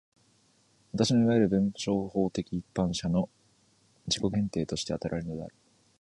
私のいわゆる弁証法的一般者の自己限定として与えられるのである。